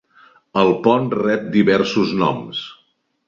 El pont rep diversos noms.